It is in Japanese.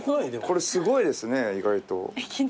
これすごいですね意外と。